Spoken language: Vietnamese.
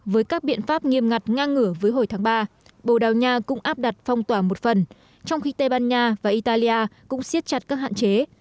với các biện pháp nghiêm ngặt ngang ngửa với hồi tháng ba bồ đào nha cũng áp đặt phong tỏa một phần trong khi tây ban nha và italia cũng siết chặt các hạn chế